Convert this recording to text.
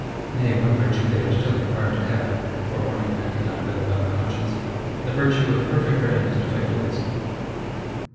Nay, one virtue they are still required to have (for mortal man cannot live without a conscience): the virtue of perfect readiness to fight duels.